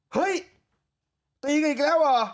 เฮ้ยตีกันอีกแล้วเหรอ